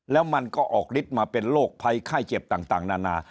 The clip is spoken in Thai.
แล้วมันก็ออกฤทธิ์มาเป็นโรคภัยไข้เจ็บต่างนานา